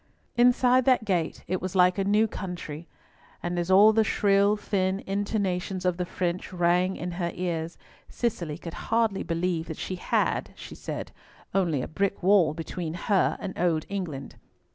Inside that gate it was like a new country, and as all the shrill thin intonations of the French rang in her ears, Cicely could hardly believe that she had—she said—only a brick wall between her and old England.